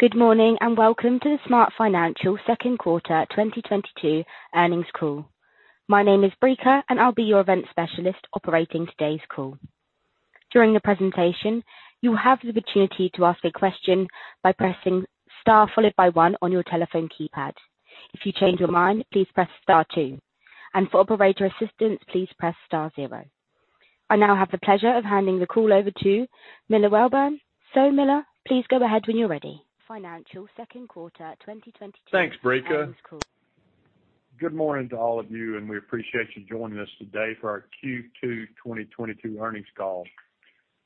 Good morning, and welcome to the SmartFinancial Second Quarter 2022 Earnings Call. My name is Brika, and I'll be your event specialist operating today's call. During the presentation, you'll have the opportunity to ask a question by pressing star followed by one on your telephone keypad. If you change your mind, please press star two. For operator assistance, please press star zero. I now have the pleasure of handing the call over to Miller Welborn. Miller, please go ahead when you're ready. Thanks, Brika. Good morning to all of you, and we appreciate you joining us today for our Q2 2022 Earnings Call.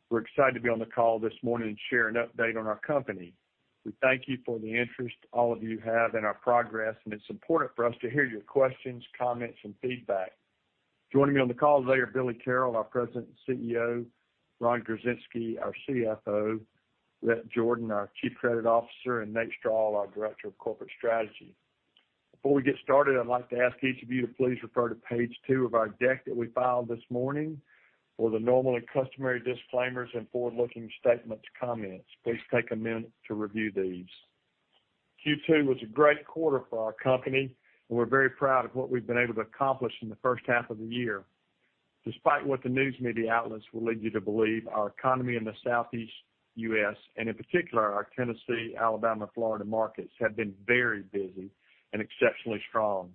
We're excited to be on the call this morning to share an update on our company. We thank you for the interest all of you have in our progress, and it's important for us to hear your questions, comments, and feedback. Joining me on the call today are Billy Carroll, our President and CEO. Ron Gorczynski, our CFO. Rhett Jordan, our Chief Credit Officer, and Nate Strall, our Director of Corporate Strategy. Before we get started, I'd like to ask each of you to please refer to page two of our deck that we filed this morning for the normal and customary disclaimers and forward-looking statements comments. Please take a minute to review these. Q2 was a great quarter for our company, and we're very proud of what we've been able to accomplish in the first half of the year. Despite what the news media outlets will lead you to believe, our economy in the Southeast U.S., and in particular, our Tennessee, Alabama, Florida markets, have been very busy and exceptionally strong.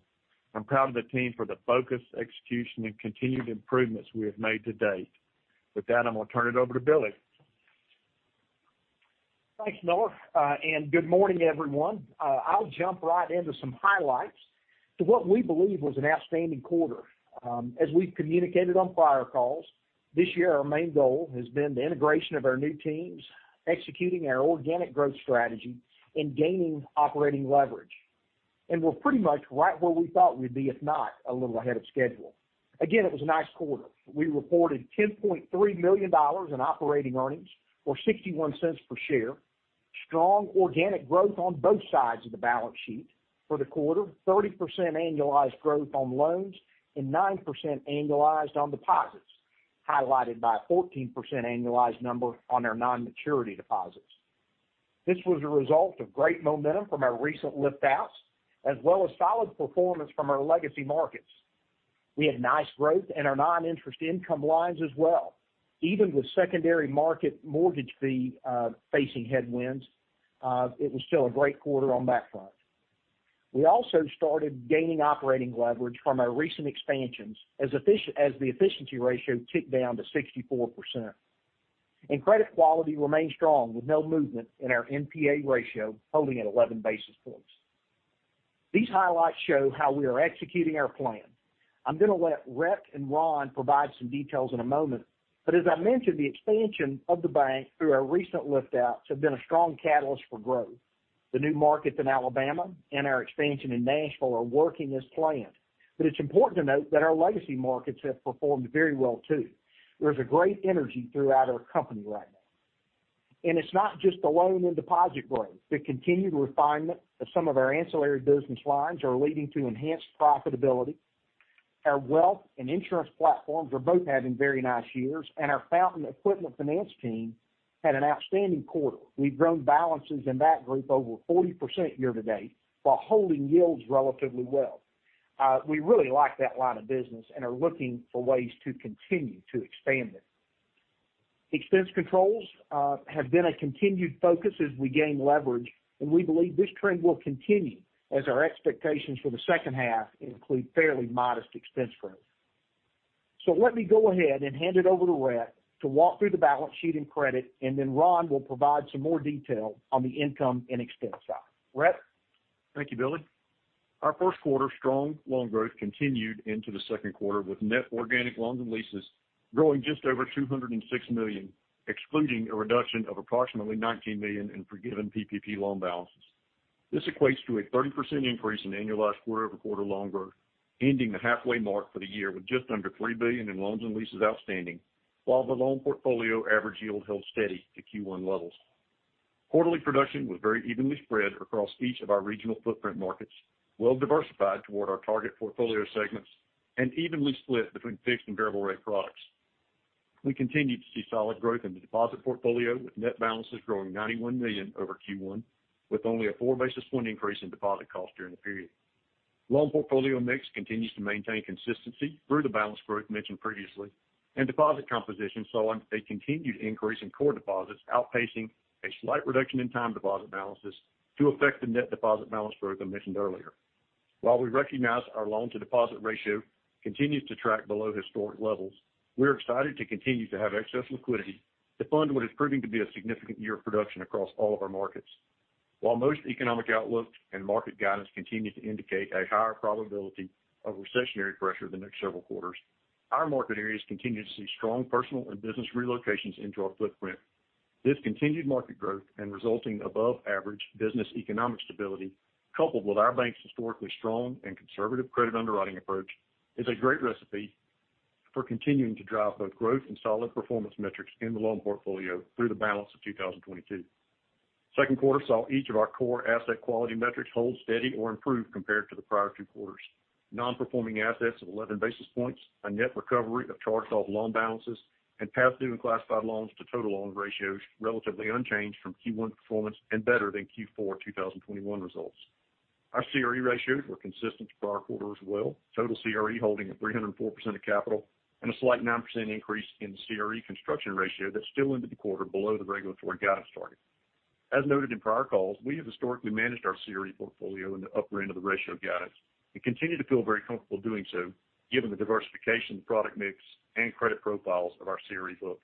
I'm proud of the team for the focus, execution, and continued improvements we have made to date. With that, I'm gonna turn it over to Billy. Thanks, Miller. Good morning, everyone. I'll jump right into some highlights to what we believe was an outstanding quarter. As we've communicated on prior calls, this year our main goal has been the integration of our new teams, executing our organic growth strategy, and gaining operating leverage. We're pretty much right where we thought we'd be, if not, a little ahead of schedule. Again, it was a nice quarter. We reported $10.3 million in operating earnings or $0.61 per share, strong organic growth on both sides of the balance sheet for the quarter, 30% annualized growth on loans, and 9% annualized on deposits, highlighted by a 14% annualized number on our non-maturity deposits. This was a result of great momentum from our recent lift outs, as well as solid performance from our legacy markets. We had nice growth in our non-interest income lines as well. Even with secondary market mortgage fee facing headwinds, it was still a great quarter on that front. We also started gaining operating leverage from our recent expansions as the efficiency ratio ticked down to 64%. Credit quality remained strong with no movement in our NPA ratio, holding at 11 basis points. These highlights show how we are executing our plan. I'm gonna let Rhett and Ron provide some details in a moment, but as I mentioned, the expansion of the bank through our recent lift outs have been a strong catalyst for growth. The new markets in Alabama and our expansion in Nashville are working as planned. It's important to note that our legacy markets have performed very well, too. There's a great energy throughout our company right now. It's not just the loan and deposit growth. The continued refinement of some of our ancillary business lines are leading to enhanced profitability. Our wealth and insurance platforms are both having very nice years, and our Fountain Equipment Finance team had an outstanding quarter. We've grown balances in that group over 40% year to date while holding yields relatively well. We really like that line of business and are looking for ways to continue to expand it. Expense controls have been a continued focus as we gain leverage, and we believe this trend will continue as our expectations for the second half include fairly modest expense growth. Let me go ahead and hand it over to Rhett to walk through the balance sheet and credit, and then Ron will provide some more detail on the income and expense side. Rhett? Thank you, Billy. Our first quarter strong loan growth continued into the second quarter with net organic loans and leases growing just over $206 million, excluding a reduction of approximately $19 million in forgiven PPP loan balances. This equates to a 30% increase in annualized quarter-over-quarter loan growth, ending the halfway mark for the year with just under $3 billion in loans and leases outstanding, while the loan portfolio average yield held steady to Q1 levels. Quarterly production was very evenly spread across each of our regional footprint markets, well diversified toward our target portfolio segments and evenly split between fixed and variable rate products. We continued to see solid growth in the deposit portfolio, with net balances growing $91 million over Q1, with only a 4 basis points increase in deposit costs during the period. Loan portfolio mix continues to maintain consistency through the balance growth mentioned previously, and deposit composition saw a continued increase in core deposits, outpacing a slight reduction in time deposit balances to affect the net deposit balance growth I mentioned earlier. While we recognize our loan to deposit ratio continues to track below historic levels, we're excited to continue to have excess liquidity to fund what is proving to be a significant year of production across all of our markets. While most economic outlooks and market guidance continue to indicate a higher probability of recessionary pressure the next several quarters, our market areas continue to see strong personal and business relocations into our footprint. This continued market growth and resulting above average business economic stability, coupled with our bank's historically strong and conservative credit underwriting approach, is a great recipe for continuing to drive both growth and solid performance metrics in the loan portfolio through the balance of 2022. Second quarter saw each of our core asset quality metrics hold steady or improve compared to the prior two quarters. Non-performing assets of 11 basis points, a net recovery of charge-off loan balances and past due and classified loans to total loan ratios relatively unchanged from Q1 performance and better than Q4 2021 results. Our CRE ratios were consistent with prior quarter as well. Total CRE holding at 304% of capital and a slight 9% increase in CRE construction ratio that's still in the quarter below the regulatory guidance target. As noted in prior calls, we have historically managed our CRE portfolio in the upper end of the ratio guidance and continue to feel very comfortable doing so given the diversification, product mix and credit profiles of our CRE book.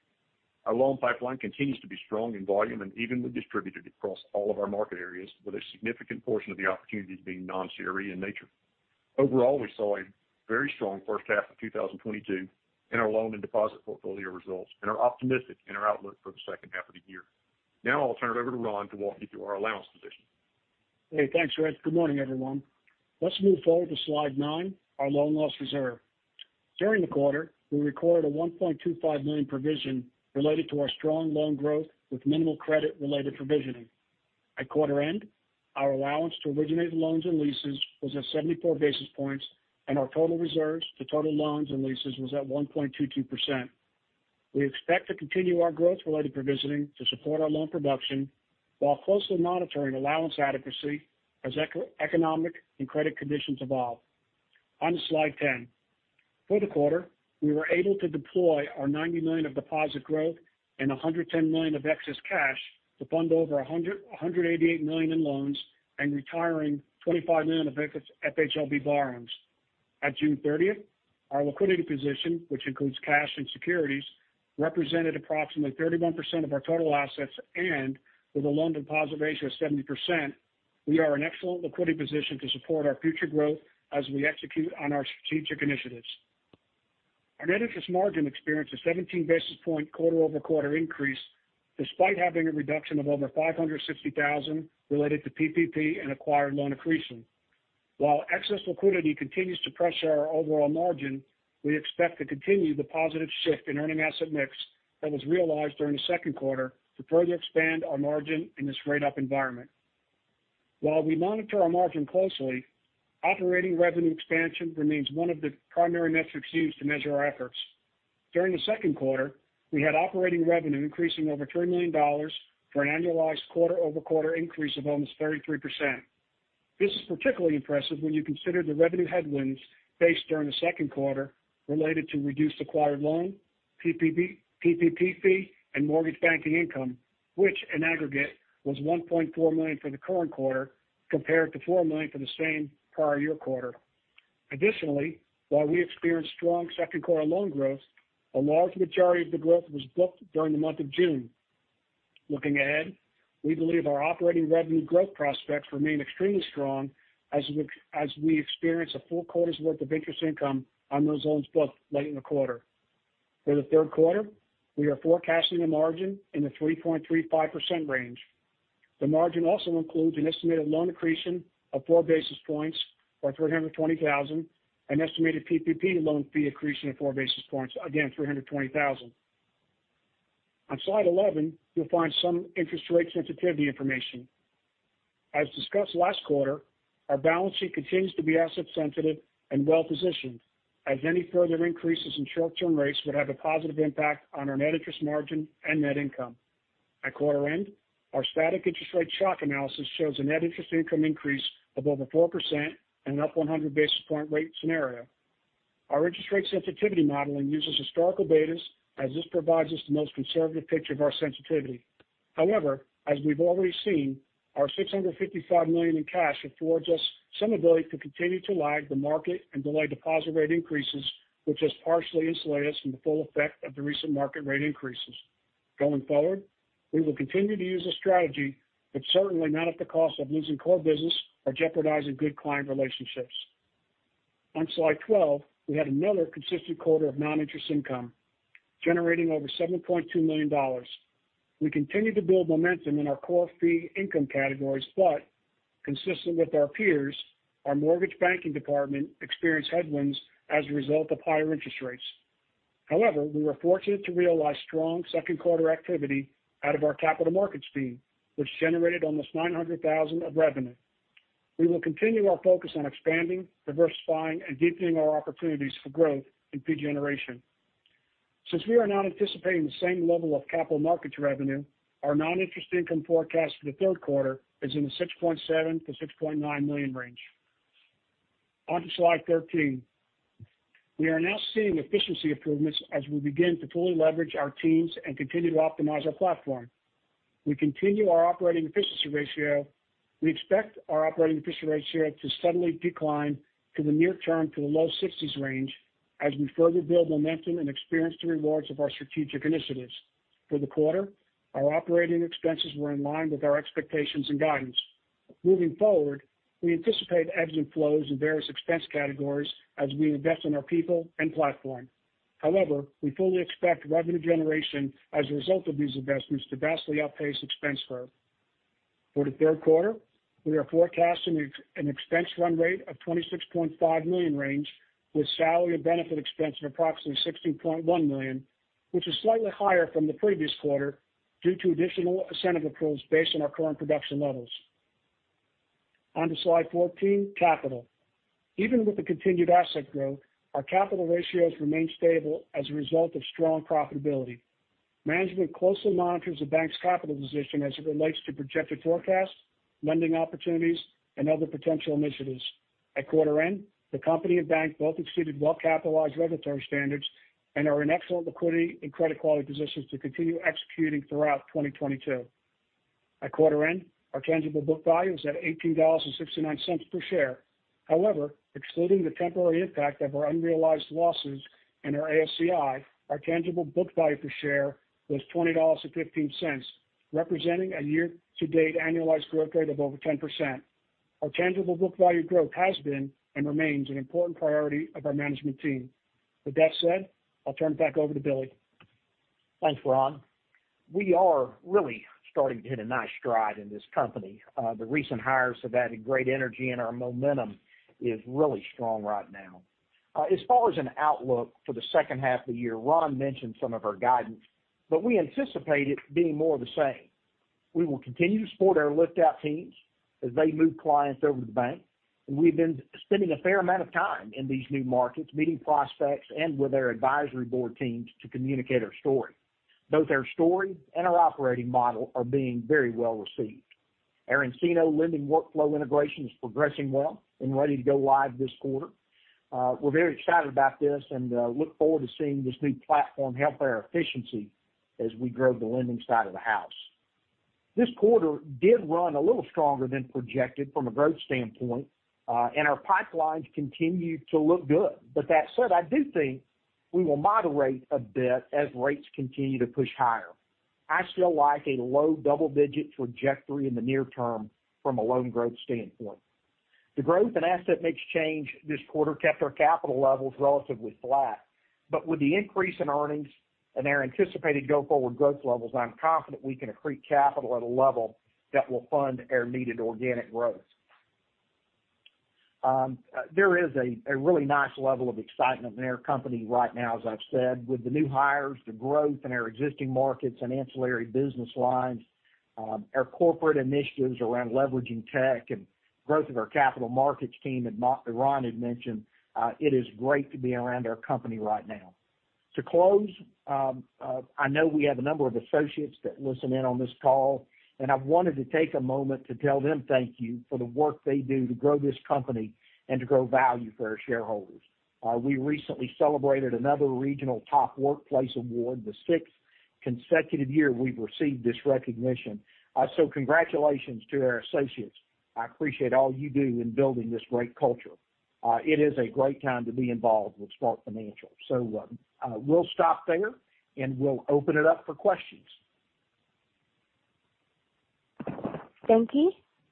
Our loan pipeline continues to be strong in volume and evenly distributed across all of our market areas with a significant portion of the opportunities being non-CRE in nature. Overall, we saw a very strong first half of 2022 in our loan and deposit portfolio results and are optimistic in our outlook for the second half of the year. Now I'll turn it over to Ron to walk you through our allowance position. Hey, thanks, Rhett. Good morning, everyone. Let's move forward to slide nine, our loan loss reserve. During the quarter, we recorded a $1.25 million provision related to our strong loan growth with minimal credit related provisioning. At quarter end, our allowance to originate loans and leases was at 74 basis points, and our total reserves to total loans and leases was at 1.22%. We expect to continue our growth related provisioning to support our loan production while closely monitoring allowance adequacy as macro-economic and credit conditions evolve. On to slide ten. For the quarter, we were able to deploy our $90 million of deposit growth and $110 million of excess cash to fund over $188 million in loans and retiring $25 million of FHLB borrowings. At June 30th, our liquidity position, which includes cash and securities, represented approximately 31% of our total assets, and with a loan deposit ratio of 70%, we are in excellent liquidity position to support our future growth as we execute on our strategic initiatives. Our net interest margin experienced a 17 basis point quarter-over-quarter increase despite having a reduction of over $560,000 related to PPP and acquired loan accretion. While excess liquidity continues to pressure our overall margin, we expect to continue the positive shift in earning asset mix that was realized during the second quarter to further expand our margin in this rate up environment. While we monitor our margin closely, operating revenue expansion remains one of the primary metrics used to measure our efforts. During the second quarter, we had operating revenue increasing over $3 million for an annualized quarter-over-quarter increase of almost 33%. This is particularly impressive when you consider the revenue headwinds faced during the second quarter related to reduced acquired loan, PPP, PPP fee, and mortgage banking income, which in aggregate was $1.4 million for the current quarter compared to $4 million for the same prior year quarter. Additionally, while we experienced strong second quarter loan growth, a large majority of the growth was booked during the month of June. Looking ahead, we believe our operating revenue growth prospects remain extremely strong as we experience a full quarter's worth of interest income on those loans booked late in the quarter. For the third quarter, we are forecasting a margin in the 3.35% range. The margin also includes an estimated loan accretion of 4 basis points or $320,000, an estimated PPP loan fee accretion of 4 basis points, again $320,000. On slide 11, you'll find some interest rate sensitivity information. As discussed last quarter, our balance sheet continues to be asset sensitive and well positioned as any further increases in short-term rates would have a positive impact on our net interest margin and net income. At quarter end, our static interest rate shock analysis shows a net interest income increase of over 4% and up 100 basis point rate scenario. Our interest rate sensitivity modeling uses historical betas as this provides us the most conservative picture of our sensitivity. However, as we've already seen, our $655 million in cash affords us some ability to continue to lag the market and delay deposit rate increases, which has partially insulated us from the full effect of the recent market rate increases. Going forward, we will continue to use this strategy, but certainly not at the cost of losing core business or jeopardizing good client relationships. On slide 12, we had another consistent quarter of non-interest income generating over $7.2 million. We continue to build momentum in our core fee income categories, but consistent with our peers, our mortgage banking department experienced headwinds as a result of higher interest rates. However, we were fortunate to realize strong second quarter activity out of our capital markets fee, which generated almost $900,000 of revenue. We will continue our focus on expanding, diversifying, and deepening our opportunities for growth in fee generation. Since we are not anticipating the same level of capital markets revenue, our non-interest income forecast for the third quarter is in the $6.7 million-$6.9 million range. On to slide 13. We are now seeing efficiency improvements as we begin to fully leverage our teams and continue to optimize our platform. We continue our operating efficiency ratio. We expect our operating efficiency ratio to suddenly decline to the near term to the low 60s% range as we further build momentum and experience the rewards of our strategic initiatives. For the quarter, our operating expenses were in line with our expectations and guidance. Moving forward, we anticipate ebbs and flows in various expense categories as we invest in our people and platform. However, we fully expect revenue generation as a result of these investments to vastly outpace expense growth. For the third quarter, we are forecasting an expense run rate of $26.5 million range with salary and benefit expense of approximately $16.1 million, which is slightly higher from the previous quarter due to additional incentive approvals based on our current production levels. On to slide 14, capital. Even with the continued asset growth, our capital ratios remain stable as a result of strong profitability. Management closely monitors the bank's capital position as it relates to projected forecasts, lending opportunities, and other potential initiatives. At quarter end, the company and bank both exceeded well-capitalized regulatory standards and are in excellent liquidity and credit quality positions to continue executing throughout 2022. At quarter end, our tangible book value is at $18.69 per share. However, excluding the temporary impact of our unrealized losses and our AOCI, our tangible book value per share was $20.15, representing a year-to-date annualized growth rate of over 10%. Our tangible book value growth has been and remains an important priority of our management team. With that said, I'll turn it back over to Billy. Thanks, Ron. We are really starting to hit a nice stride in this company. The recent hires have added great energy, and our momentum is really strong right now. As far as an outlook for the second half of the year, Ron mentioned some of our guidance, but we anticipate it being more the same. We will continue to support our lift-out teams as they move clients over to the bank. We've been spending a fair amount of time in these new markets, meeting prospects and with our advisory board teams to communicate our story. Both our story and our operating model are being very well received. nCino lending workflow integration is progressing well and ready to go live this quarter. We're very excited about this and look forward to seeing this new platform help our efficiency as we grow the lending side of the house. This quarter did run a little stronger than projected from a growth standpoint, and our pipelines continue to look good. That said, I do think we will moderate a bit as rates continue to push higher. I still like a low double-digit trajectory in the near term from a loan growth standpoint. The growth in asset mix change this quarter kept our capital levels relatively flat. With the increase in earnings and our anticipated go-forward growth levels, I'm confident we can accrete capital at a level that will fund our needed organic growth. There is a really nice level of excitement in our company right now, as I've said. With the new hires, the growth in our existing markets, and ancillary business lines, our corporate initiatives around leveraging tech and growth of our capital markets team that Ron had mentioned. It is great to be around our company right now. To close, I know we have a number of associates that listen in on this call, and I wanted to take a moment to tell them thank you for the work they do to grow this company and to grow value for our shareholders. We recently celebrated another regional Top Workplaces Award, the sixth consecutive year we've received this recognition. Congratulations to our associates. I appreciate all you do in building this great culture. It is a great time to be involved with SmartFinancial. We'll stop there, and we'll open it up for questions. Thank you.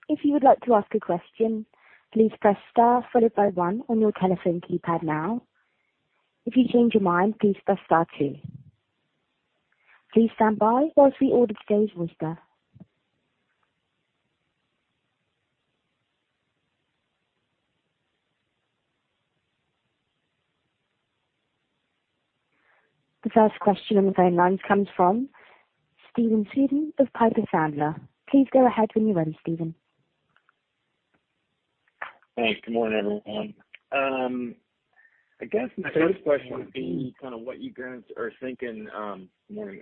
If you would like to ask a question, please press star followed by one on your telephone keypad now. If you change your mind, please press star two. Please stand by while we order today's roster. The first question on the phone lines comes from Stephen Scouten of Piper Sandler. Please go ahead when you're ready, Stephen. Thanks. Good morning, everyone. I guess my first question would be kind of what you guys are thinking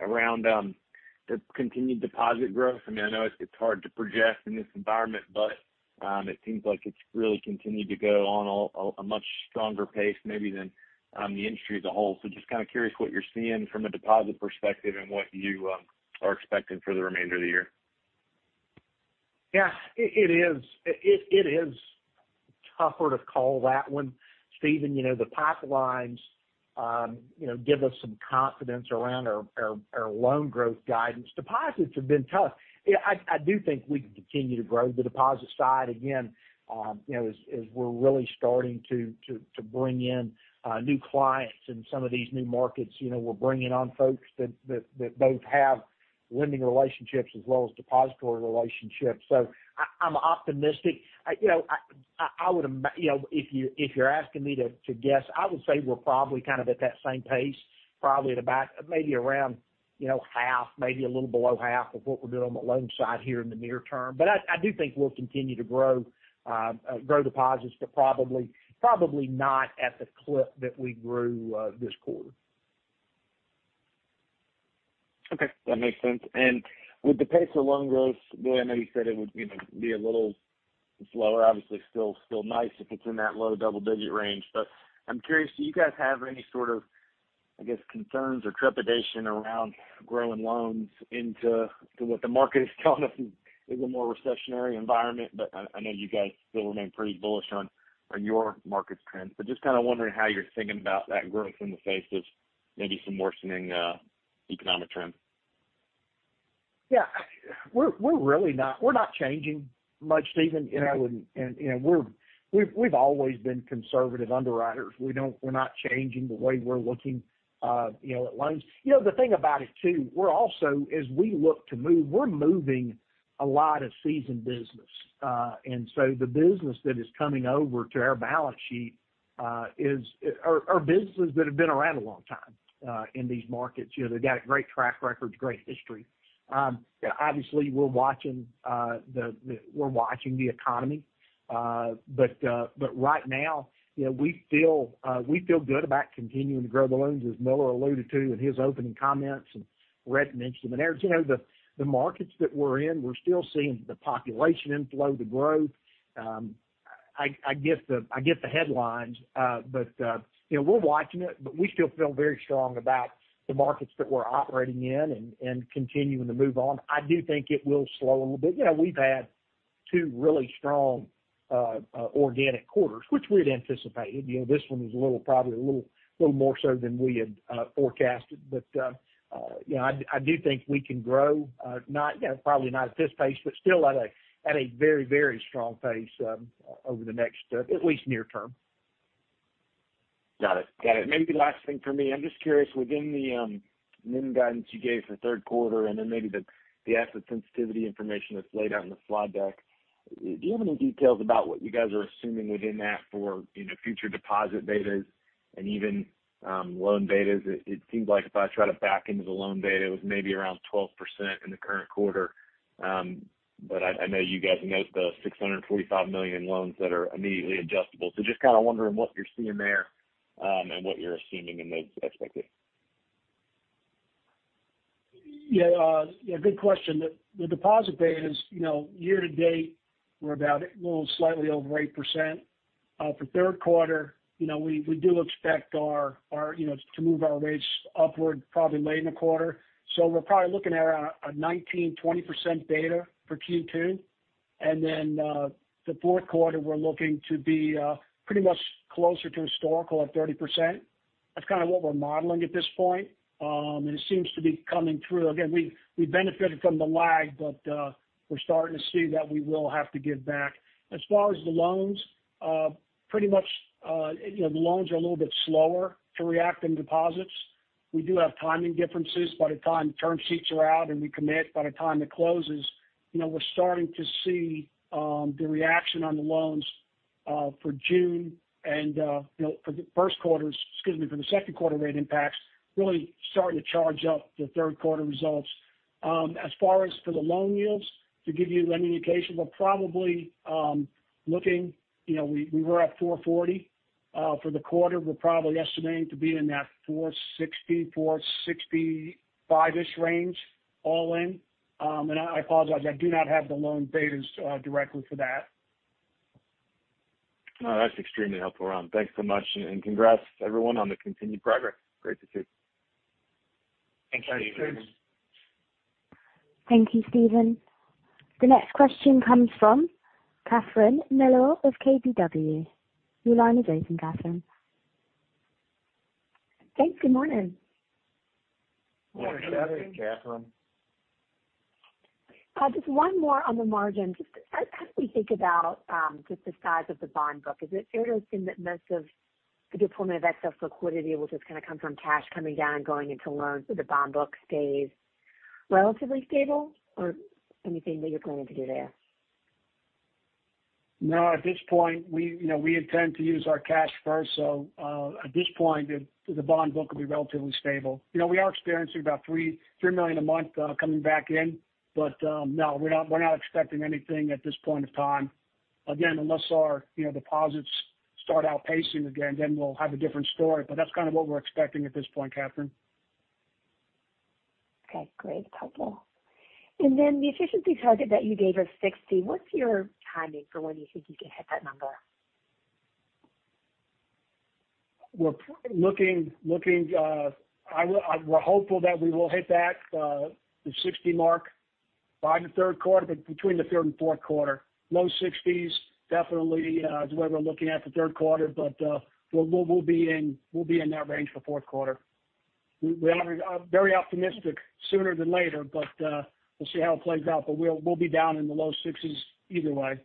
around the continued deposit growth. I mean, I know it's hard to project in this environment, but it seems like it's really continued to go on a much stronger pace maybe than the industry as a whole. Just kind of curious what you're seeing from a deposit perspective and what you are expecting for the remainder of the year. Yeah, it is tougher to call that one, Stephen. You know, the pipelines, you know, give us some confidence around our loan growth guidance. Deposits have been tough. I do think we can continue to grow the deposit side again, you know, as we're really starting to bring in new clients in some of these new markets. You know, we're bringing on folks that both have lending relationships as well as depository relationships. I'm optimistic. You know, I would. You know, if you're asking me to guess, I would say we're probably kind of at that same pace, probably at about maybe around, you know, half, maybe a little below half of what we're doing on the loan side here in the near term. I do think we'll continue to grow deposits, but probably not at the clip that we grew this quarter. Okay, that makes sense. With the pace of loan growth, Billy, I know you said it would, you know, be a little slower, obviously still nice if it's in that low double-digit range. I'm curious, do you guys have any sort of, I guess, concerns or trepidation around growing loans into what the market is telling us is a more recessionary environment? I know you guys still remain pretty bullish on your market trends. Just kind of wondering how you're thinking about that growth in the face of maybe some worsening economic trends. Yeah. We're really not changing much, Stephen. You know, you know, we've always been conservative underwriters. We're not changing the way we're looking, you know, at loans. You know, the thing about it, too, we're also, as we look to move, we're moving a lot of seasoned business. The business that is coming over to our balance sheet are businesses that have been around a long time in these markets. You know, they've got great track records, great history. Obviously we're watching the economy. Right now, you know, we feel good about continuing to grow the loans, as Miller alluded to in his opening comments, and Rhett mentioned them. You know, the markets that we're in, we're still seeing the population inflow, the growth. I get the headlines. You know, we're watching it, but we still feel very strong about the markets that we're operating in and continuing to move on. I do think it will slow a little bit. You know, we've had two really strong organic quarters, which we'd anticipated. You know, this one was a little, probably a little more so than we had forecasted. You know, I do think we can grow, not you know probably not at this pace, but still at a very strong pace over the next, at least near term. Got it. Maybe last thing for me. I'm just curious, within the NIM guidance you gave for the third quarter and then maybe the asset sensitivity information that's laid out in the slide deck, do you have any details about what you guys are assuming within that for, you know, future deposit betas and even loan betas? It seems like if I try to back into the loan beta, it was maybe around 12% in the current quarter. I know you guys note the $645 million loans that are immediately adjustable. Just kind of wondering what you're seeing there and what you're assuming in those expectations. Yeah. Yeah, good question. The deposit beta is, you know, year to date, we're about a little slightly over 8%. For third quarter, you know, we do expect our you know to move our rates upward probably late in the quarter. We're probably looking at a 19%-20% beta for Q2. The fourth quarter we're looking to be pretty much closer to historical at 30%. That's kind of what we're modeling at this point. It seems to be coming through. Again, we benefited from the lag, but we're starting to see that we will have to give back. As far as the loans, pretty much, you know, the loans are a little bit slower to react than deposits. We do have timing differences. By the time the term sheets are out and we commit, by the time it closes, you know, we're starting to see the reaction on the loans for June and, you know, for the second quarter rate impacts really starting to charge up the third quarter results. As far as for the loan yields, to give you an indication, we're probably looking, you know, we were at 4.40%. For the quarter, we're probably estimating to be in that 4.60%-4.65%-ish range all in. I apologize, I do not have the loan betas directly for that. No, that's extremely helpful, Ron. Thanks so much, and congrats everyone on the continued progress. Great to see. Thanks, Stephen. Thanks. Thank you, Stephen. The next question comes from Catherine Mealor of KBW. Your line is open, Catherine. Thanks. Good morning. Morning. Good morning, Catherine. Just one more on the margin. Just as we think about the size of the bond book, is it fair to assume that most of the deployment of excess liquidity will just kind of come from cash coming down and going into loans, so the bond book stays relatively stable? Or anything that you're planning to do there? No. At this point, we, you know, we intend to use our cash first. At this point, the bond book will be relatively stable. You know, we are experiencing about $3 million a month coming back in. No, we're not expecting anything at this point of time. Again, unless our, you know, deposits start outpacing again, then we'll have a different story. That's kind of what we're expecting at this point, Catherine. Okay. Great. Helpful. The efficiency target that you gave of 60%, what's your timing for when you think you can hit that number? We're probably looking. We're hopeful that we will hit that, the 60 mark by the third quarter, but between the third and fourth quarter. Low 60s definitely is what we're looking at for third quarter. We'll be in that range for fourth quarter. We are very optimistic sooner than later, but we'll see how it plays out. We'll be down in the low 60s either way.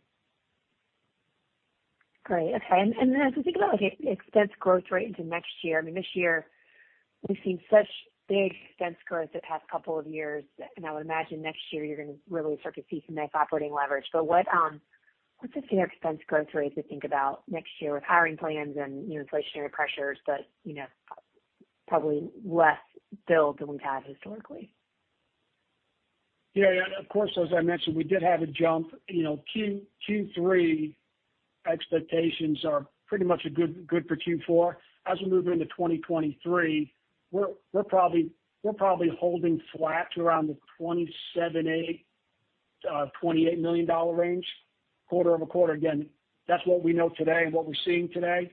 Great. Okay. Then as we think about, like, expense growth rate into next year, I mean, this year we've seen such big expense growth the past couple of years. I would imagine next year you're gonna really start to see some nice operating leverage. What, what's a fair expense growth rate to think about next year with hiring plans and, you know, inflationary pressures, but, you know, probably less build than we've had historically? Yeah. Of course, as I mentioned, we did have a jump. You know, Q3 expectations are pretty much a good guide for Q4. As we move into 2023, we're probably holding flat to around the $27 million-$28 million range quarter-over-quarter. Again, that's what we know today and what we're seeing today.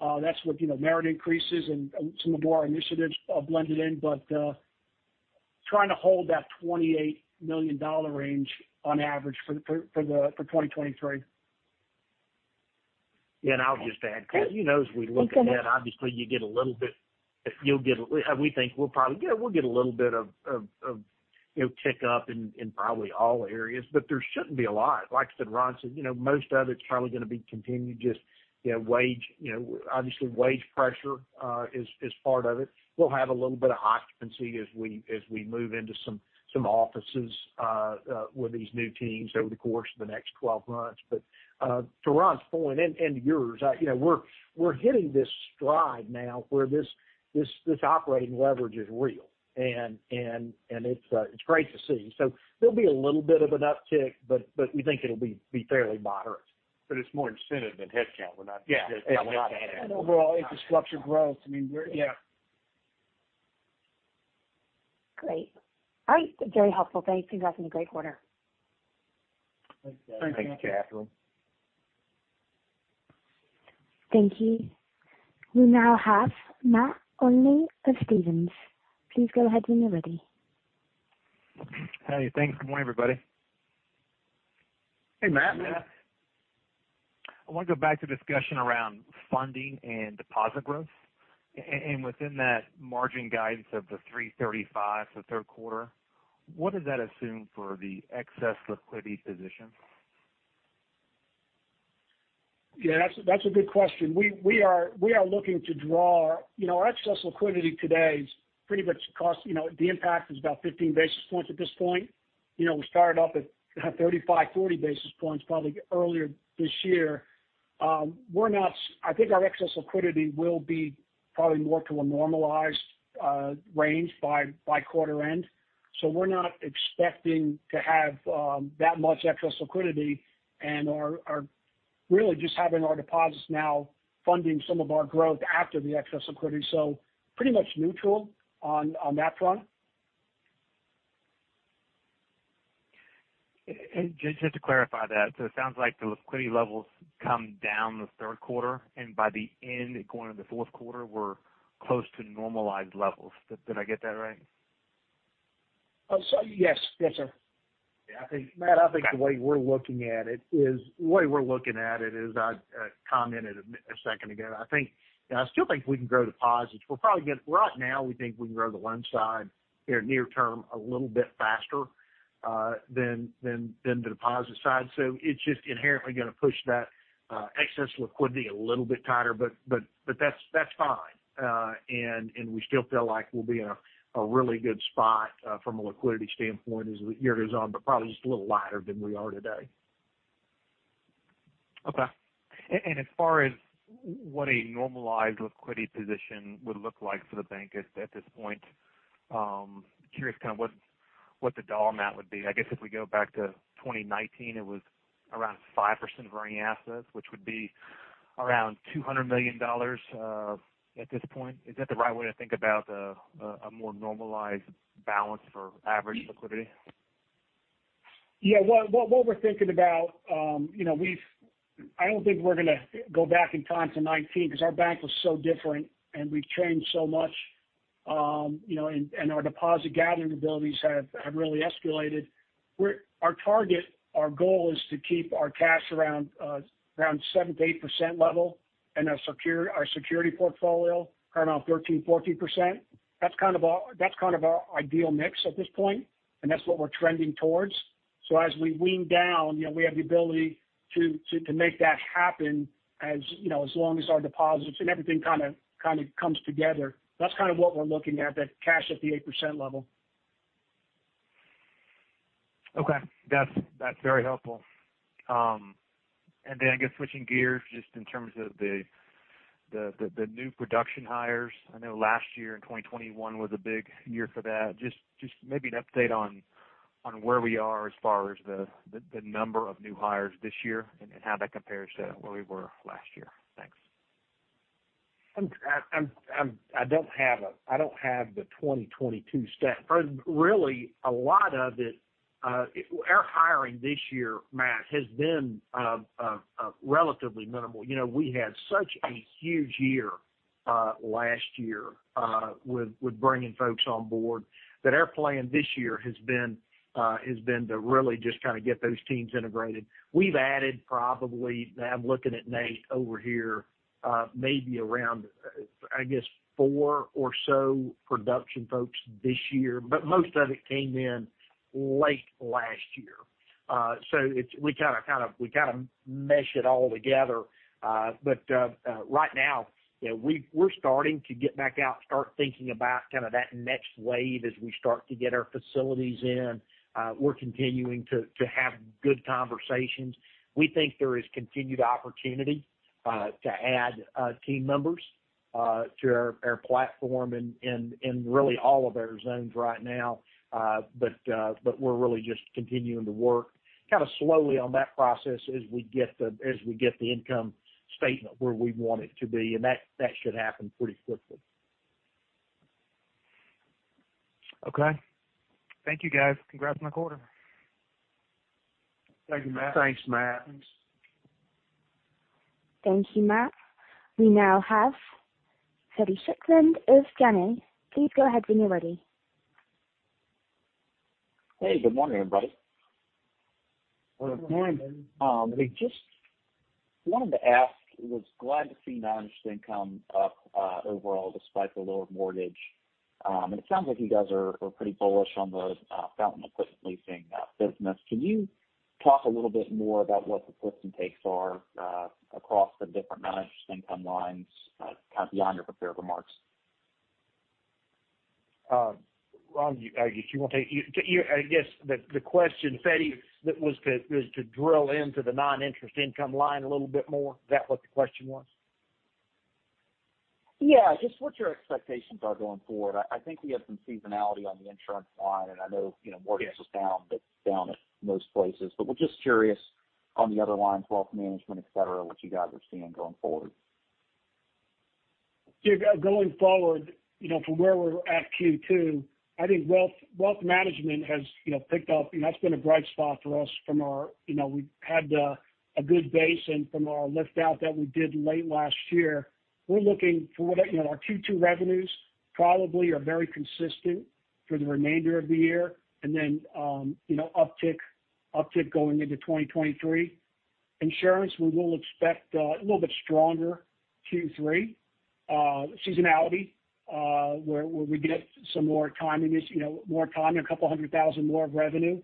That's with, you know, merit increases and some of the more initiatives blended in. Trying to hold that $28 million range on average for 2023. Yeah. I'll just add, 'cause you know, as we look ahead, obviously you get a little bit. We'll get a little bit of, you know, tick up in probably all areas, but there shouldn't be a lot. Like I said, Ron said, you know, most of it's probably gonna be continued just, you know, wage, you know, obviously wage pressure is part of it. We'll have a little bit of occupancy as we move into some offices with these new teams over the course of the next 12 months. To Ron's point, and yours, you know, we're hitting this stride now where this operating leverage is real, and it's great to see. There'll be a little bit of an uptick, but we think it'll be fairly moderate. It's more incentive than headcount. We're not Just probably adding overall, it's a structured growth. I mean, yeah. Great. All right. Very helpful. Thanks. Congrats on a great quarter. Thanks, Catherine. Thank you. We now have Matt Olney of Stephens. Please go ahead when you're ready. Hey, thanks. Good morning, everybody. Hey, Matt. I want to go back to discussion around funding and deposit growth. Within that margin guidance of 3.35% for third quarter, what does that assume for the excess liquidity position? Yeah, that's a good question. We are looking to draw. You know, our excess liquidity today is pretty much cost, you know, the impact is about 15 basis points at this point. You know, we started off at 35-40 basis points probably earlier this year. I think our excess liquidity will be probably more to a normalized range by quarter end. We're not expecting to have that much excess liquidity and are really just having our deposits now funding some of our growth after the excess liquidity, so pretty much neutral on that front. Just to clarify that, it sounds like the liquidity levels come down in the third quarter, and by the end going into the fourth quarter, we're close to normalized levels. Did I get that right? Yes. Yes, sir. Yeah, I think, Matt, the way we're looking at it is, I commented a second ago. I think, you know, I still think we can grow deposits. Right now, we think we can grow the loan side here near term, a little bit faster than the deposit side. It's just inherently gonna push that excess liquidity a little bit tighter, but that's fine. We still feel like we'll be in a really good spot from a liquidity standpoint as the year goes on, but probably just a little lighter than we are today. Okay. As far as what a normalized liquidity position would look like for the bank at this point, curious kind of what the dollar amount would be. I guess if we go back to 2019, it was around 5% of earning assets, which would be around $200 million at this point. Is that the right way to think about a more normalized balance for average liquidity? Yeah. What we're thinking about, you know, we've I don't think we're gonna go back in time to 2019 because our bank was so different and we've changed so much, you know, and our deposit gathering abilities have really escalated. Our target, our goal is to keep our cash around 7%-8% level and our security portfolio around 13%-14%. That's kind of our ideal mix at this point, and that's what we're trending towards. As we wean down, you know, we have the ability to make that happen as, you know, as long as our deposits and everything kind of comes together. That's kind of what we're looking at, that cash at the 8% level. Okay. That's very helpful. I guess switching gears just in terms of the new production hires. I know last year in 2021 was a big year for that. Just maybe an update on where we are as far as the number of new hires this year and how that compares to where we were last year. Thanks. I don't have the 2022 stat. Really a lot of it, our hiring this year, Matt, has been relatively minimal. You know, we had such a huge year last year with bringing folks on board, that our plan this year has been to really just kind of get those teams integrated. We've added probably, I'm looking at Nate over here, maybe around, I guess four or so production folks this year, but most of it came in late last year. We kind of mesh it all together. Right now, you know, we're starting to get back out and start thinking about kind of that next wave as we start to get our facilities in. We're continuing to have good conversations. We think there is continued opportunity to add team members to our platform and really all of our zones right now. We're really just continuing to work kinda slowly on that process as we get the income statement where we want it to be, and that should happen pretty quickly. Okay. Thank you guys. Congrats on the quarter. Thank you, Matt. Thanks, Matt. Thank you, Matt. We now have Feddie Strickland of Janney. Please go ahead when you're ready. Hey, good morning, everybody. Good morning. Wanted to ask, was glad to see non-interest income up overall despite the lower mortgage. It sounds like you guys are pretty bullish on the Fountain equipment leasing business. Can you talk a little bit more about what the lifts and takes are across the different non-interest income lines kind of beyond your prepared remarks? Ron, you wanna take it? I guess the question, Feddie, was to drill into the non-interest income line a little bit more. Is that what the question was? Yeah. Just what your expectations are going forward. I think we have some seasonality on the insurance line, and I know, you know, mortgage was down, but down at most places. We're just curious on the other lines, wealth management, et cetera, what you guys are seeing going forward. Yeah, going forward, you know, from where we're at Q2, I think wealth management has, you know, picked up. That's been a bright spot for us from our, you know, we've had a good base, and from our lift out that we did late last year. We're looking for, you know, our Q2 revenues probably are very consistent for the remainder of the year, and then, you know, uptick going into 2023. Insurance, we will expect a little bit stronger Q3 seasonality, where we get some more timing, you know, more timing, $200,000 more of revenue.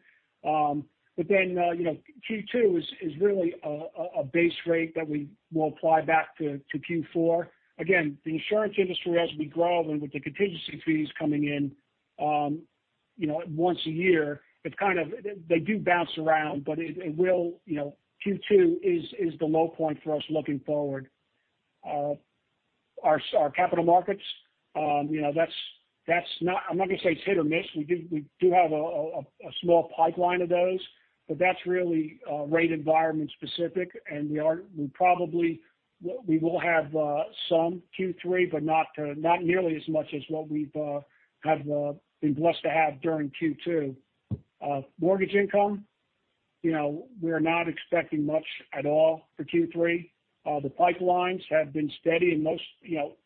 Then, you know, Q2 is really a base rate that we will apply back to Q4. Again, the insurance industry as we grow and with the contingency fees coming in, you know, once a year, it's kind of. They do bounce around, but it will, you know, Q2 is the low point for us looking forward. Our capital markets, you know, that's not. I'm not gonna say it's hit or miss. We do have a small pipeline of those, but that's really rate environment specific, and we probably will have some Q3, but not nearly as much as what we've been blessed to have during Q2. Mortgage income, you know, we're not expecting much at all for Q3. The pipelines have been steady and mostly, you know,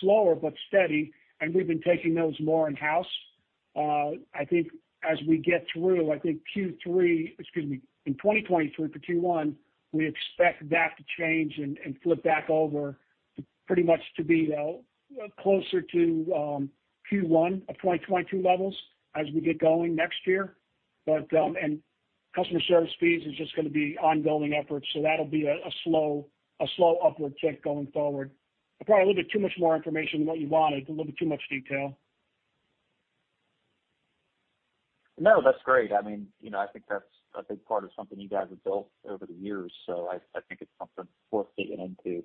slower but steady, and we've been taking those more in-house. I think as we get through, in 2023 for Q1, we expect that to change and flip back over pretty much to be closer to Q1 of 2022 levels as we get going next year. Customer service fees is just gonna be ongoing efforts, so that'll be a slow upward tick going forward. Probably a little bit too much more information than what you wanted, a little bit too much detail. No, that's great. I mean, you know, I think that's a big part of something you guys have built over the years. I think it's something worth digging into.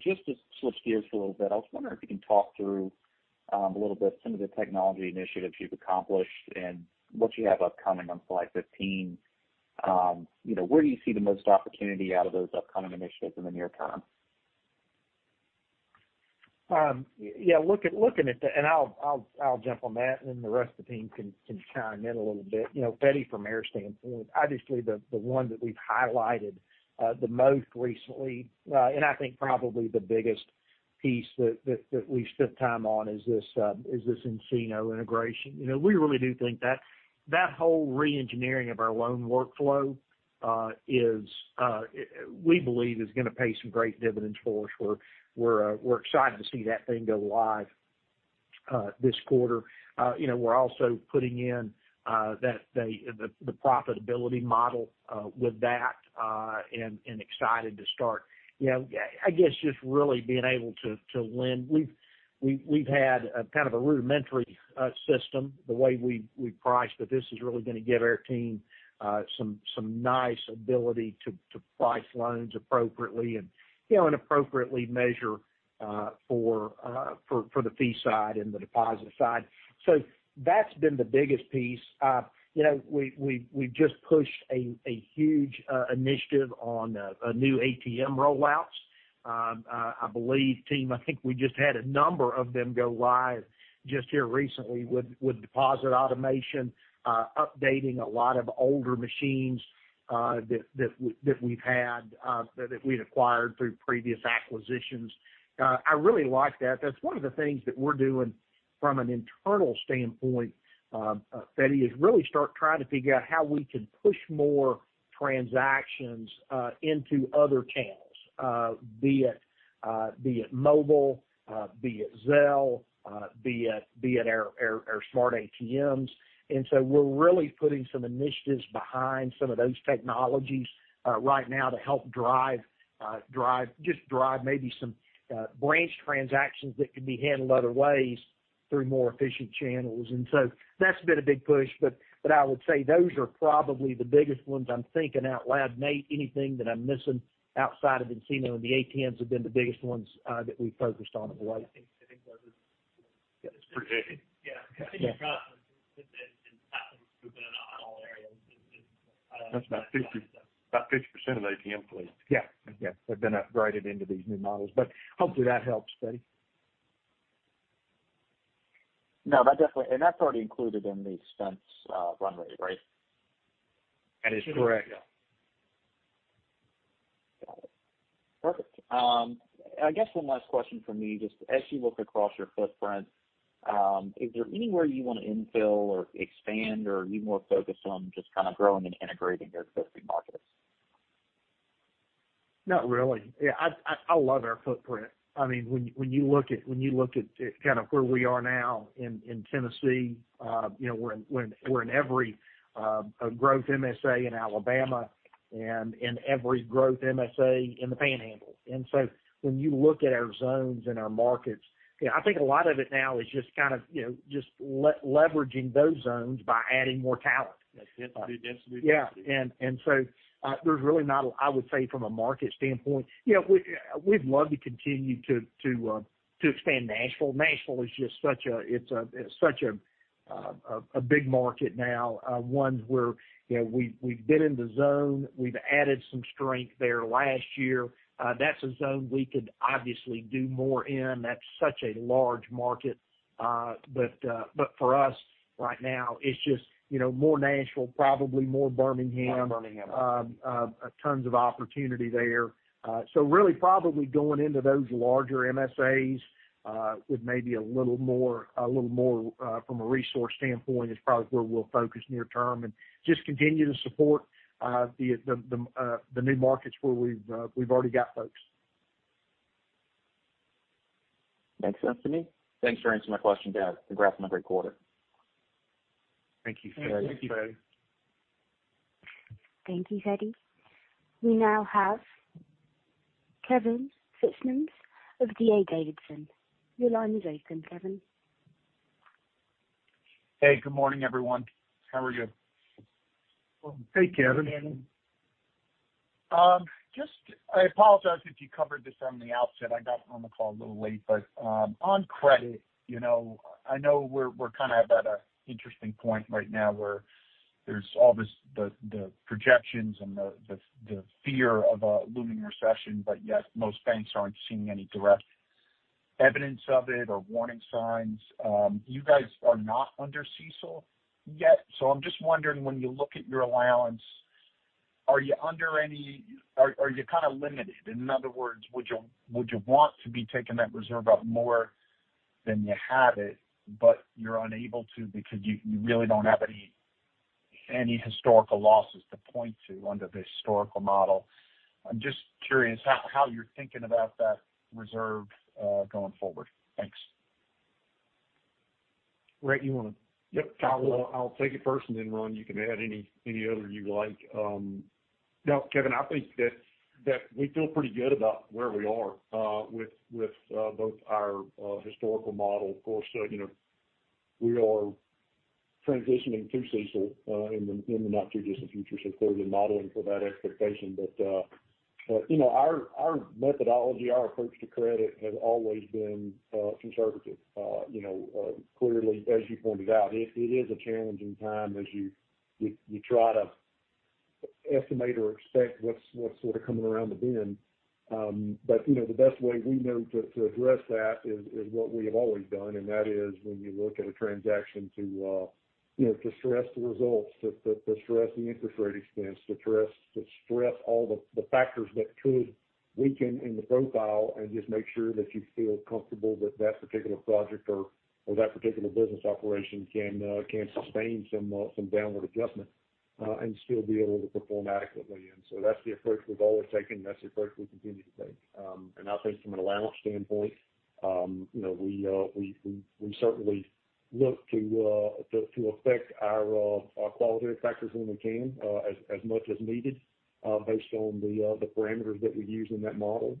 Just to switch gears for a little bit, I was wondering if you can talk through a little bit some of the technology initiatives you've accomplished and what you have upcoming on slide 15. You know, where do you see the most opportunity out of those upcoming initiatives in the near term? Yeah, I'll jump on that, and then the rest of the team can chime in a little bit. You know, Feddie, from our standpoint, obviously, the one that we've highlighted the most recently, and I think probably the biggest piece that we've spent time on is this nCino integration. You know, we really do think that whole reengineering of our loan workflow we believe is gonna pay some great dividends for us. We're excited to see that thing go live this quarter. You know, we're also putting in the profitability model with that, and excited to start. You know, I guess just really being able to lend. We've had a kind of a rudimentary system the way we price, but this is really gonna give our team some nice ability to price loans appropriately and, you know, and appropriately measure for the fee side and the deposit side. So that's been the biggest piece. You know, we've just pushed a huge initiative on a new ATM rollouts. I believe, team, I think we just had a number of them go live just here recently with deposit automation, updating a lot of older machines, that we've had, that we'd acquired through previous acquisitions. I really like that. That's one of the things that we're doing from an internal standpoint, Feddie, we're really starting to try to figure out how we can push more transactions into other channels, be it mobile, be it Zelle, be it our smart ATMs. We're really putting some initiatives behind some of those technologies right now to help drive just drive maybe some branch transactions that can be handled other ways through more efficient channels. That's been a big push. But I would say those are probably the biggest ones. I'm thinking out loud, Nate, anything that I'm missing outside of nCino and the ATMs have been the biggest ones that we've focused on of late. I think those are. Yeah. Pretty good continued progress with it and happens to have been on all areas. That's about 50% of the ATM fleet. Yeah. Have been upgraded into these new models. Hopefully, that helps, Feddie. No, that definitely. That's already included in the expense run rate, right? That is correct. Sure. Yeah. Got it. Perfect. I guess one last question from me, just as you look across your footprint, is there anywhere you wanna infill or expand, or are you more focused on just kind of growing and integrating your existing markets? Not really. Yeah, I love our footprint. I mean, when you look at kind of where we are now in Tennessee, you know, we're in every growth MSA in Alabama and in every growth MSA in the Panhandle. When you look at our zones and our markets, you know, I think a lot of it now is just kind of, you know, just leveraging those zones by adding more talent. That's it. Density. I would say from a market standpoint, you know, we'd love to continue to expand Nashville. Nashville is just such a big market now, one where, you know, we've been in the zone. We've added some strength there last year. That's a zone we could obviously do more in. That's such a large market. For us right now, it's just, you know, more Nashville, probably more Birmingham. More Birmingham. Tons of opportunity there. Really probably going into those larger MSAs with maybe a little more from a resource standpoint is probably where we'll focus near term and just continue to support the new markets where we've already got folks. Makes sense to me. Thanks for answering my question, guys. Congrats on a great quarter. Thank you, Feddie. Thank you. Thank you, Feddie. We now have Kevin Fitzsimmons of D.A. Davidson. Your line is open, Kevin. Hey, good morning, everyone. How are you? Hey, Kevin. I apologize if you covered this from the outset. I got on the call a little late. On credit, you know, I know we're kind of at an interesting point right now where there's all this, the fear of a looming recession, but yet most banks aren't seeing any direct evidence of it or warning signs. You guys are not under CECL yet, so I'm just wondering, when you look at your allowance, are you under any? Are you kind of limited? In other words, would you want to be taking that reserve up more than you have it, but you're unable to because you really don't have any historical losses to point to under the historical model? I'm just curious how you're thinking about that reserve going forward. Thanks. Rhett, you wanna? Yep. I'll take it first, and then, Ron, you can add any other you like. No, Kevin, I think that we feel pretty good about where we are with both our historical model. Of course, you know, we are transitioning to CECL in the not too distant future, so clearly modeling for that expectation. You know, our methodology, our approach to credit has always been conservative. You know, clearly, as you pointed out, it is a challenging time as you try to estimate or expect what's sort of coming around the bend. You know, the best way we know to address that is what we have always done, and that is when you look at a transaction, you know, to stress the results, to stress the interest rate expense, to stress all the factors that could weaken in the profile and just make sure that you feel comfortable that that particular project or that particular business operation can sustain some downward adjustment and still be able to perform adequately. That's the approach we've always taken. That's the approach we continue to take. I think from an allowance standpoint, you know, we certainly look to affect our qualitative factors when we can, as much as needed, based on the parameters that we use in that model.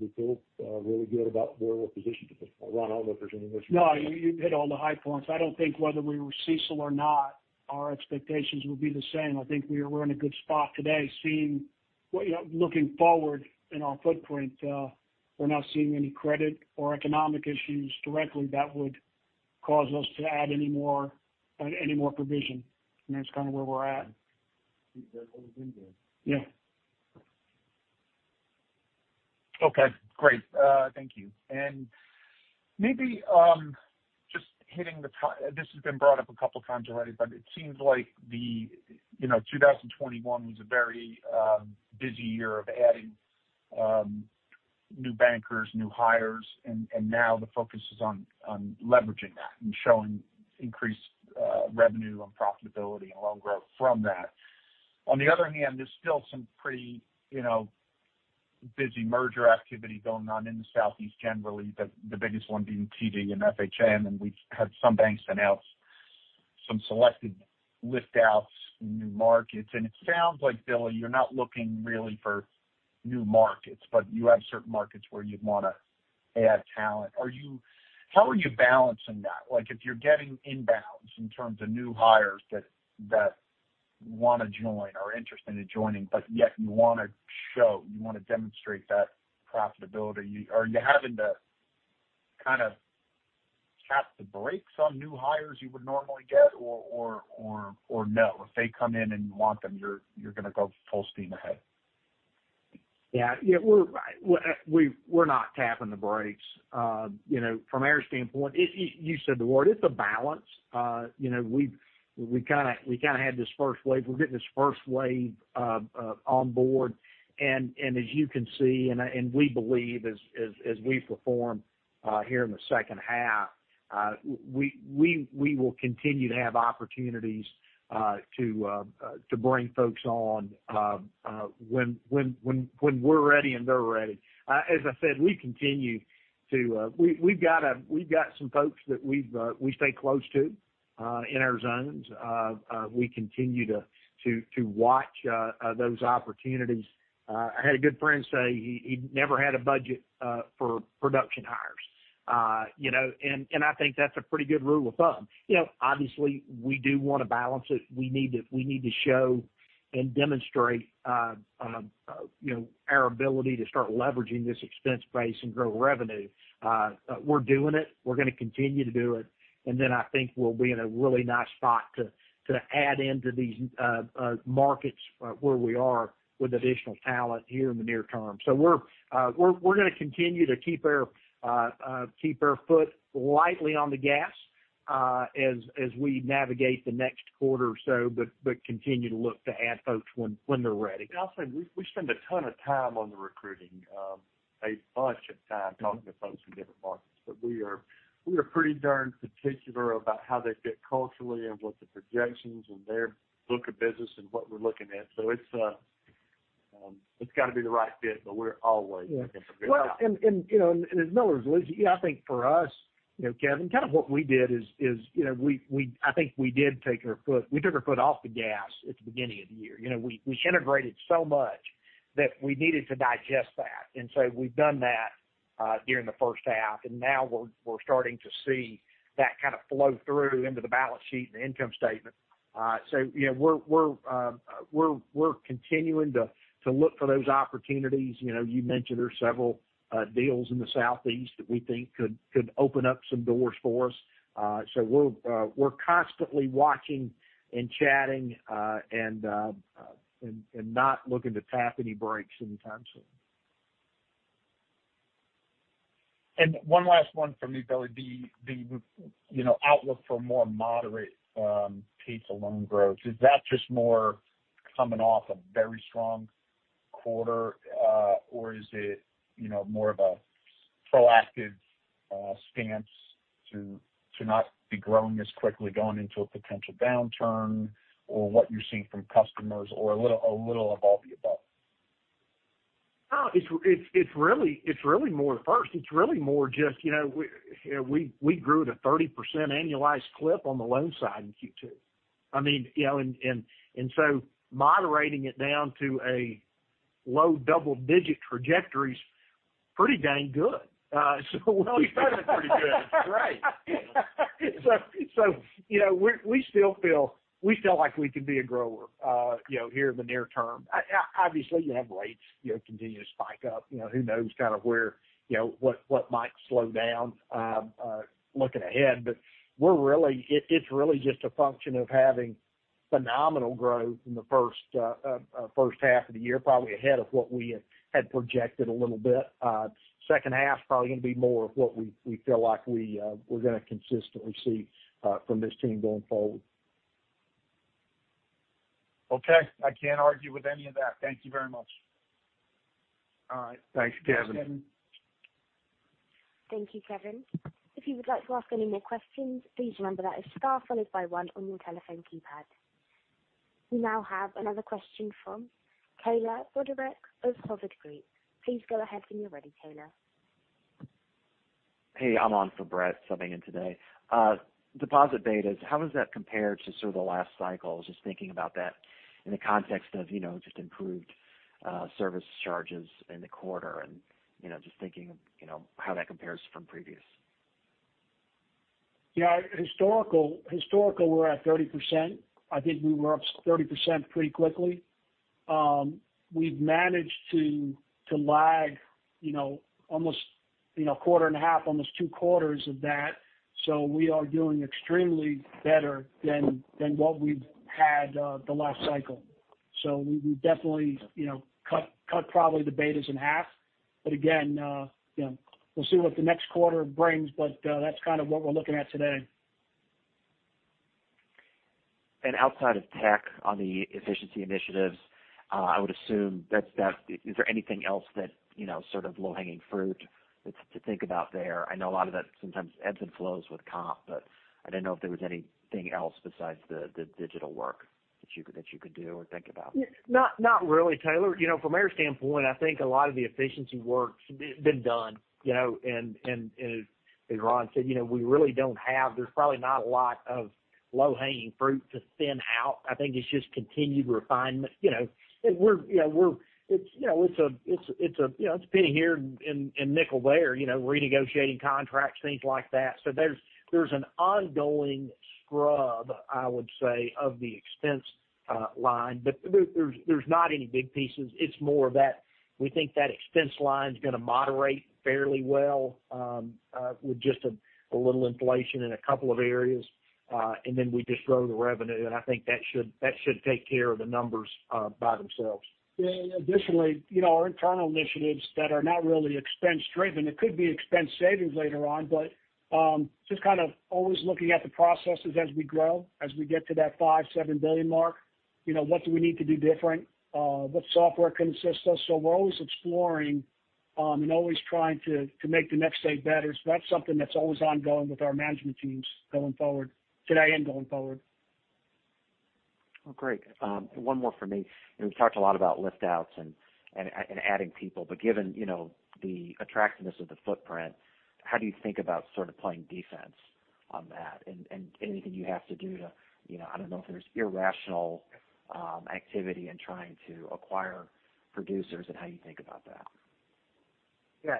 We feel really good about where we're positioned at this point. Ron, I don't know if there's anything else you want to add. No, you hit all the high points. I don't think whether we were CECL or not, our expectations would be the same. I think we're in a good spot today. You know, looking forward in our footprint, we're not seeing any credit or economic issues directly that would cause us to add any more provision. That's kind of where we're at. That's what we've been doing. Yeah. Okay, great. Thank you. This has been brought up a couple times already, but it seems like the you know 2021 was a very busy year of adding new bankers, new hires, and now the focus is on leveraging that and showing increased revenue and profitability and loan growth from that. On the other hand, there's still some pretty you know busy merger activity going on in the Southeast generally, the biggest one being TD and FHN, and we've had some banks announce some selected lift outs in new markets. It sounds like, Billy, you're not looking really for new markets, but you have certain markets where you'd want to add talent. How are you balancing that? Like, if you're getting inbounds in terms of new hires that wanna join or interested in joining, but yet you wanna demonstrate that profitability, are you having to kind of tap the brakes on new hires you would normally get? Or no? If they come in and you want them, you're gonna go full steam ahead. Yeah. Yeah, we're not tapping the brakes. You know, from our standpoint, you said the word, it's a balance. You know, we've kinda had this first wave. We're getting this first wave on board. As you can see, we believe as we perform here in the second half, we will continue to have opportunities to bring folks on when we're ready and they're ready. As I said, we've got some folks that we stay close to in our zones. We continue to watch those opportunities. I had a good friend say he never had a budget for production hires. You know, I think that's a pretty good rule of thumb. You know, obviously, we do wanna balance it. We need to show and demonstrate, you know, our ability to start leveraging this expense base and grow revenue. We're doing it. We're gonna continue to do it. I think we'll be in a really nice spot to add into these markets where we are with additional talent here in the near term. We're gonna continue to keep our foot lightly on the gas as we navigate the next quarter or so, but continue to look to add folks when they're ready. I'll say, we spend a ton of time on the recruiting, a bunch of time talking to folks from different markets. We are pretty darn particular about how they fit culturally and what the projections and their book of business and what we're looking at. It's got to be the right fit, but we're always looking for good talent. As Miller was alluding to, yeah, I think for us, you know, Kevin, kind of what we did is, you know, we took our foot off the gas at the beginning of the year. You know, we integrated so much that we needed to digest that. We've done that during the first half, and now we're starting to see that kind of flow through into the balance sheet and the income statement. You know, we're continuing to look for those opportunities. You know, you mentioned there's several deals in the southeast that we think could open up some doors for us. We're constantly watching and chatting, and not looking to tap the brakes anytime soon. One last one for me, Billy. The outlook for more moderate pace of loan growth, is that just more coming off a very strong quarter, or is it more of a proactive stance to not be growing as quickly going into a potential downturn, or what you're seeing from customers or a little of all the above? No, it's really more first. It's really more just, you know, we grew at a 30% annualized clip on the loan side in Q2. I mean, you know, moderating it down to a low double-digit trajectory is pretty dang good. No, you bet it's pretty good. It's great. You know, we still feel like we can be a grower, you know, here in the near term. Obviously, you have rates, you know, continue to spike up. You know, who knows kind of where, you know, what might slow down, looking ahead. It's really just a function of having phenomenal growth in the first half of the year, probably ahead of what we had projected a little bit. Second half is probably gonna be more of what we feel like we're gonna consistently see from this team going forward. Okay. I can't argue with any of that. Thank you very much. All right. Thanks, Kevin. Thank you, Kevin. If you would like to ask any more questions, please remember that is star followed by one on your telephone keypad. We now have another question from Taylor Broderick of Hovde Group. Please go ahead when you're ready, Taylor. Hey, I'm on for Brett, subbing in today. Deposit betas, how does that compare to sort of the last cycle? Just thinking about that in the context of, you know, just improved service charges in the quarter and, you know, just thinking, you know, how that compares from previous. Yeah, historical we're at 30%. I think we were up 30% pretty quickly. We've managed to lag, you know, almost a quarter and a half, almost two quarters of that. We are doing extremely better than what we've had the last cycle. We definitely, you know, cut probably the betas in half. Again, you know, we'll see what the next quarter brings, but that's kind of what we're looking at today. Outside of tech on the efficiency initiatives, I would assume that's. Is there anything else that, you know, sort of low-hanging fruit that's to think about there? I know a lot of that sometimes ebbs and flows with comp, but I didn't know if there was anything else besides the digital work that you could do or think about. Not really, Taylor. You know, from our standpoint, I think a lot of the efficiency work's been done, you know. As Ron said, you know, we really don't have. There's probably not a lot of low-hanging fruit to thin out. I think it's just continued refinement. You know, it's a penny here and nickel there, you know, renegotiating contracts, things like that. So there's an ongoing scrub, I would say, of the expense line. But there's not any big pieces. It's more that we think that expense line is gonna moderate fairly well, with just a little inflation in a couple of areas, and then we just grow the revenue, and I think that should take care of the numbers by themselves. Yeah. Additionally, you know, our internal initiatives that are not really expense-driven, it could be expense savings later on, but just kind of always looking at the processes as we grow, as we get to that $5 billion-$7 billion mark. You know, what do we need to do different? What software can assist us? We're always exploring and always trying to make the next day better. That's something that's always ongoing with our management teams going forward. Today and going forward. Well, great. One more for me. You know, we've talked a lot about lift outs and adding people. Given the attractiveness of the footprint, how do you think about sort of playing defense on that? Anything you have to do to, you know, I don't know if there's irrational activity in trying to acquire producers and how you think about that. Yeah.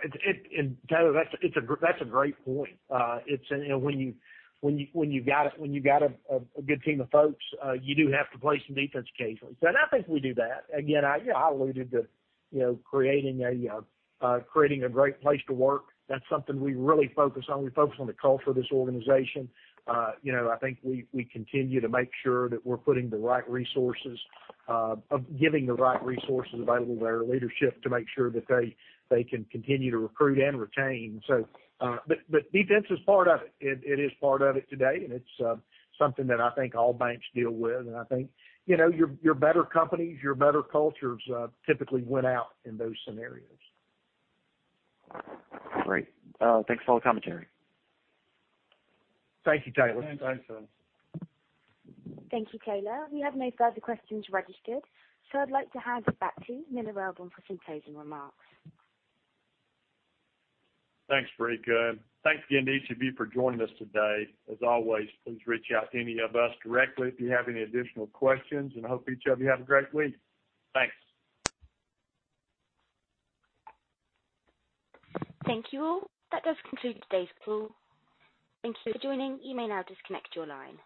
Taylor, that's a great point. It's, you know, when you've got a good team of folks, you do have to play some defense occasionally. I think we do that. Again, you know, I alluded to creating a great place to work. That's something we really focus on. We focus on the culture of this organization. You know, I think we continue to make sure that we're putting the right resources and giving the right resources available to our leadership to make sure that they can continue to recruit and retain. Defense is part of it. It is part of it today, and it's something that I think all banks deal with. I think, you know, your better companies, your better cultures, typically win out in those scenarios. Great. Thanks for all the commentary. Thank you, Taylor. Thanks, Taylor. Thank you, Taylor. We have no further questions registered, so I'd like to hand it back to Miller Welborn for some closing remarks. Thanks, Operator. Thanks again to each of you for joining us today. As always, please reach out to any of us directly if you have any additional questions, and I hope each of you have a great week. Thanks. Thank you, all. That does conclude today's call. Thank you for joining. You may now disconnect your line.